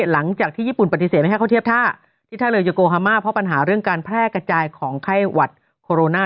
หลังจากที่ญี่ปุ่นปฏิเสธไม่ให้เขาเทียบท่าที่ท่าเรือโยโกฮามาเพราะปัญหาเรื่องการแพร่กระจายของไข้หวัดโคโรนา